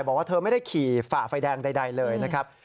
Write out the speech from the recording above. บอกว่าเธอไม่ได้ขี่ฝ่าไฟแดงใดเลยนะครับ